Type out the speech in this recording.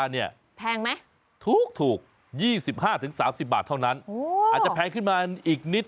เนี่ยแพงไหมถูก๒๕๓๐บาทเท่านั้นอาจจะแพงขึ้นมาอีกนิด